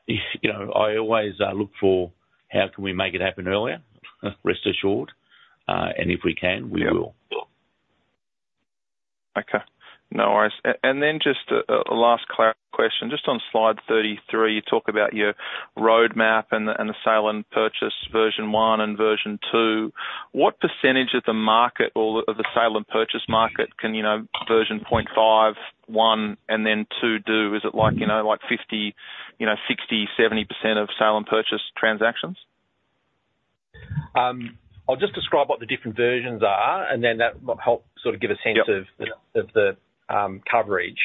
you know, I always look for how can we make it happen earlier, rest assured, and if we can, we will. Okay. No worries. And then just a last clarification question. Just on slide 33, you talk about your roadmap and the sale and purchase version one and version two. What percentage of the market or of the sale and purchase market can, you know, version point five, one, and then two do? Is it like, you know, like 50, you know, 60, 70% of sale and purchase transactions? I'll just describe what the different versions are, and then that might help sort of give a sense of Yep. the coverage.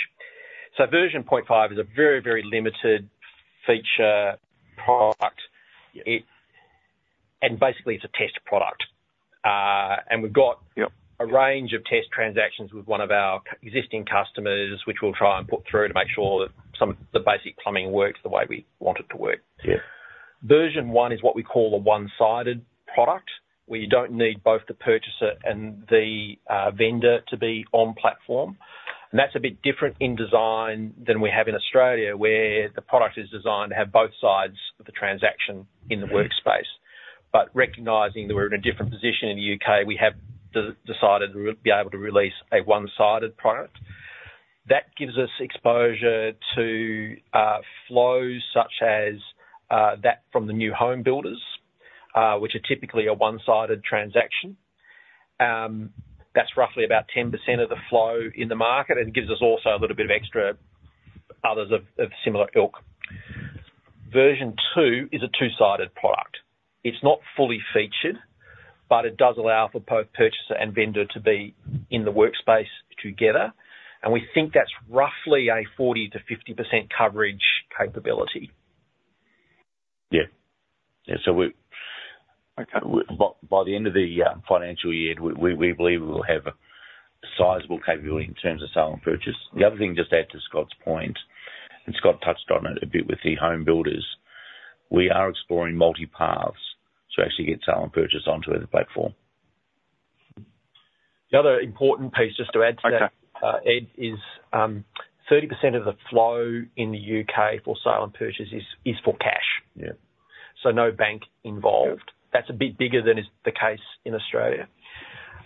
So version 0.5 is a very, very limited feature product. And basically, it's a test product, and we've got a range of test transactions with one of our existing customers, which we'll try and put through to make sure that te basic plumbing works the way we want it to work. Yeah. Version 1 is what we call a one-sided product, where you don't need both the purchaser and the vendor to be on platform. And that's a bit different in design than we have in Australia, where the product is designed to have both sides of the transaction in the workspace. But recognizing that we're in a different position in the U.K., we have decided we'll be able to release a one-sided product. That gives us exposure to flows such as that from the new home builders, which are typically a one-sided transaction. that's roughly about 10% of the flow in the market, and gives us also a little bit of extra others of similar ilk. Version 2 is a two-sided product. It's not fully featured, but it does allow for both purchaser and vendor to be in the workspace together, and we think that's roughly a 40% to 50% coverage capability. Yeah. Yeah, so we Okay. By the end of the financial year, we believe we will have a sizable capability in terms of sale and purchase. The other thing, just to add to Scott's point, and Scott touched on it a bit with the home builders, we are exploring multiple paths to actually get sale and purchase onto the platform. The other important piece, just to add to that Ed, is 30% of the flow in the U.K. for sale and purchase for cash? Yeah. No bank involved. That's a bit bigger than is the case in Australia.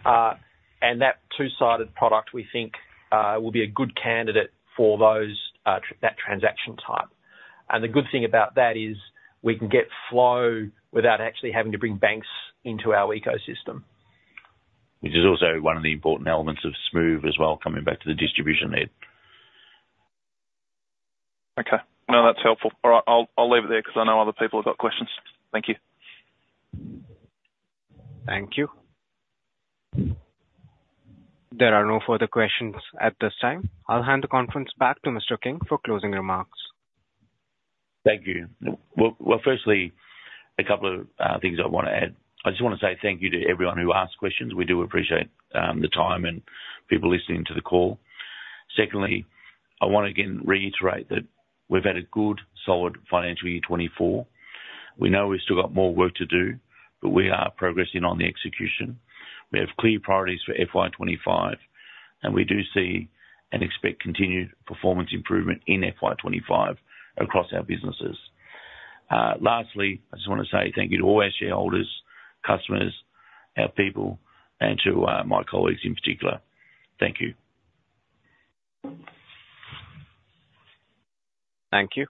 And that two-sided product, we think, will be a good candidate for those, that transaction type. And the good thing about that is we can get flow without actually having to bring banks into our ecosystem. Which is also one of the important elements of Smoove as well, coming back to the distribution there. Okay. No, that's helpful. All right, I'll leave it there 'cause I know other people have got questions. Thank you. Thank you. There are no further questions at this time. I'll hand the conference back to Mr. King for closing remarks. Thank you. Well, firstly, a couple of things I wanna add. I just wanna say thank you to everyone who asked questions. We do appreciate the time and people listening to the call. Secondly, I wanna again reiterate that we've had a good, solid financial year 2024. We know we've still got more work to do, but we are progressing on the execution. We have clear priorities for FY 2025, and we do see and expect continued performance improvement in FY 2025 across our businesses. Lastly, I just wanna say thank you to all our shareholders, customers, our people, and to my colleagues in particular. Thank you. Thank you.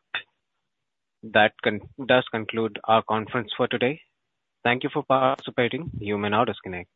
That concludes our conference for today. Thank you for participating. You may now disconnect.